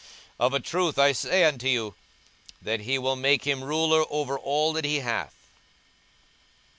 42:012:044 Of a truth I say unto you, that he will make him ruler over all that he hath.